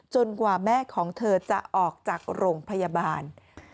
กว่าแม่ของเธอจะออกจากโรงพยาบาล